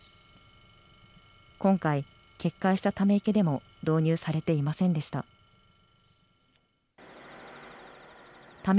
今回、決壊したため池でも導入されていませんでした。